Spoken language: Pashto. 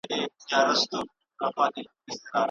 آیا ته غواړې چې زما سره په دې کښتۍ کې مل شې؟